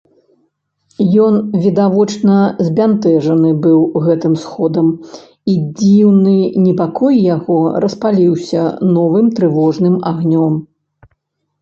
Ён відочна збянтэжаны быў гэтым сходам, і дзіўны непакой яго распаліўся новым трывожным агнём.